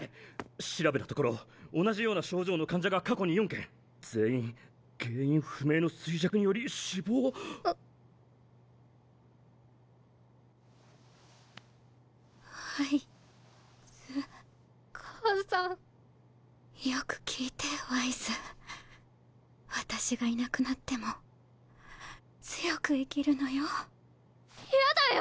調べたところ同じような症状の患者が過去に４件全員原因不明の衰弱により死亡⁉ワイズ母さんよく聞いてワイズ私がいなくなっても強く生きるのよ嫌だよ！